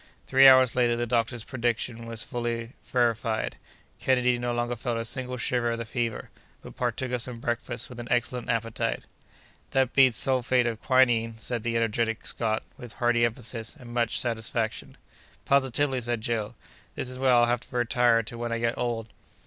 Three hours later, the doctor's prediction was fully verified. Kennedy no longer felt a single shiver of the fever, but partook of some breakfast with an excellent appetite. "That beats sulphate of quinine!" said the energetic Scot, with hearty emphasis and much satisfaction. "Positively," said Joe, "this is where I'll have to retire to when I get old!"